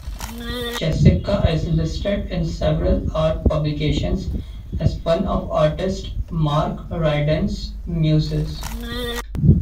Jessicka is listed in several art publications as one of artist Mark Ryden's muses.